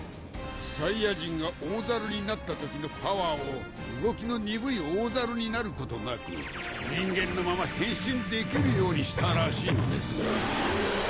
サイヤ人が大猿になったときのパワーを動きの鈍い大猿になることなく人間のまま変身できるようにしたらしいのですが。